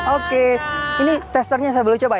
oke ini testernya saya boleh coba ya